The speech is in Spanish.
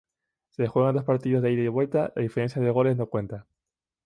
Se juegan dos partidos de ida y vuelta, la diferencia de goles no cuenta.